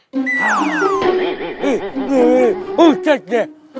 eh eh eh ujjj